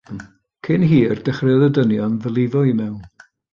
Cyn hir dechreuodd y dynion ddylifo i mewn.